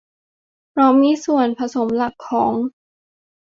เพราะมีส่วนผสมหลักของ